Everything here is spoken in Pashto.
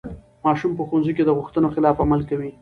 ماشوم په ښوونځي کې د غوښتنو خلاف عمل کوي.